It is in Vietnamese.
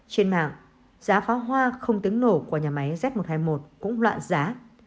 trên mạng giá pháo hoa không tiếng nổ của nhà máy z một trăm hai mươi một cũng loạn giá